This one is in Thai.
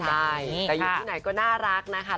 แต่อยู่ที่ไหนก็น่ารักนะคะ